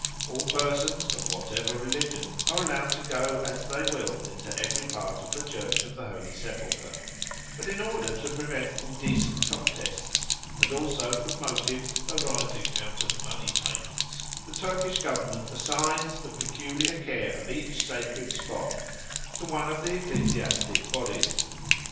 All persons, of whatever religion, are allowed to go as they will into every part of the Church of the Holy Sepulchre, but in order to prevent indecent contests, and also from motives arising out of money payments, the Turkish Government assigns the peculiar care of each sacred spot to one of the ecclesiastic bodies.